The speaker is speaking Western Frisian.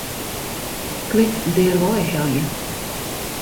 Klik Dêrwei helje.